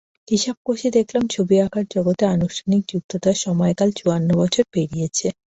হিসাব কষে দেখলাম, ছবি আঁকার জগতে আনুষ্ঠানিক যুক্ততার সময়কাল চুয়ান্ন বছর পেরিয়েছে।